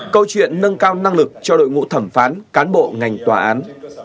câu chuyện nâng cao năng lực cho đội ngũ thẩm phán cán bộ ngành tòa án